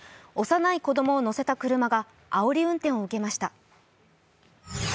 幼い子供を乗せた車があおり運転を受けました。